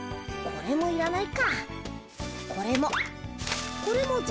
これもいらない。